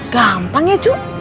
gampang ya cu